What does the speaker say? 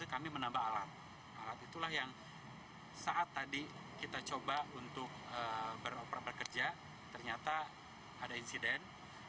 kami menambah alat alat itulah yang saat tadi kita coba untuk beroperasi ternyata ada insiden